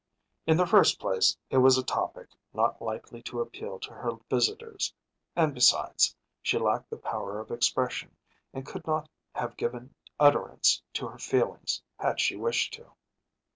In the first place it was a topic not likely to appeal to her visitors and, besides, she lacked the power of expression and could not have given utterance to her feelings had she wished to.